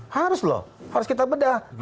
harus loh harus kita bedah